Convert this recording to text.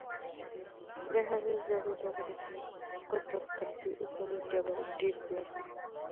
د هغې زړې ډبرې قطر تر دې اوسنۍ ډبرې ډېر زیات و.